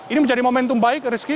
ini menjadi momentum baik rizky